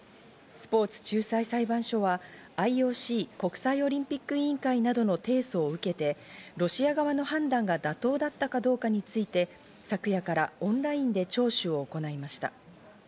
スポーツ仲裁裁判所はＩＯＣ＝国際オリンピック委員会などの提訴を受けて、ロシア側の判断が妥当だったかどうかについて、昨夜からオンラインで聴取を行いました。